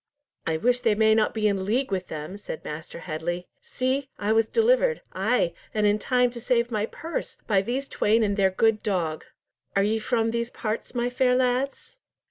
"I wish they may not be in league with them," said Master Headley. "See! I was delivered—ay, and in time to save my purse, by these twain and their good dog. Are ye from these parts, my fair lads?"